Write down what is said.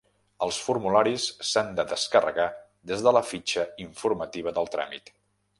Els formularis s'han de descarregar des de la fitxa informativa del tràmit.